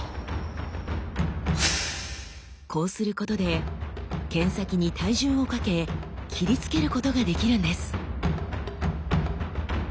こうすることで剣先に体重をかけ斬りつけることができるんです。